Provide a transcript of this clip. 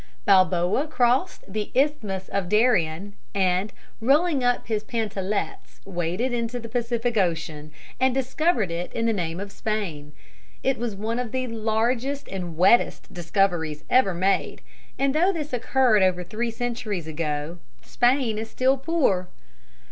Balboa crossed the Isthmus of Darien, and, rolling up his pantalettes, waded into the Pacific Ocean and discovered it in the name of Spain. It was one of the largest and wettest discoveries ever made, and, though this occurred over three centuries ago, Spain is still poor.